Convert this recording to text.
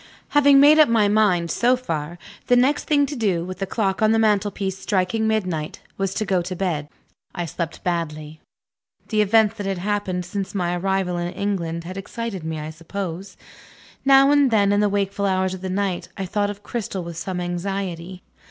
Having made up my mind, so far, the next thing to do (with the clock on the mantel piece striking midnight) was to go to bed. I slept badly. The events that had happened, since my arrival in England, had excited me I suppose. Now and then, in the wakeful hours of the night, I thought of Cristel with some anxiety.